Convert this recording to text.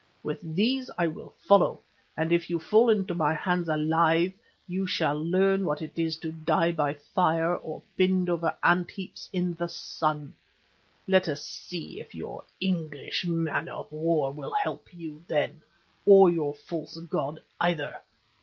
With these I will follow, and if you fall into my hands alive, you shall learn what it is to die by fire or pinned over ant heaps in the sun. Let us see if your English man of war will help you then, or your false God either.